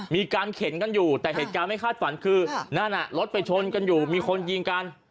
มีการเข็นกันอยู่แต่เหตุการณ์ไม่คาดฝันคือนั่นรถไปชนกันอยู่มีคนยิงกัน